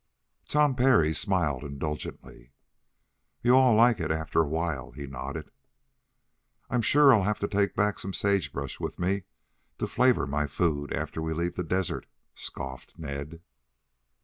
Tom Parry smiled indulgently. "You'll all like it after a while," he nodded. "I'm sure I'll have to take back some sage brush with me to flavor my food after we leave the desert," scoffed Ned.